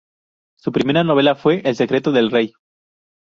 Su primera novela fue "El secreto del rey".